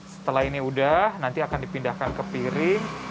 setelah ini udah nanti akan dipindahkan ke piring